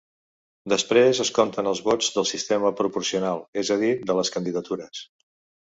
Després, es compten els vots del sistema proporcional, és a dir, de les candidatures.